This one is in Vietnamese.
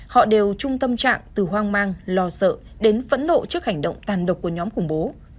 họ đều trung tâm trạng từ hoang mang lo sợ đến phẫn nộ trước hành động tàn độc của nhóm khủng bố